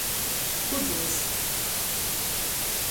Kudlys.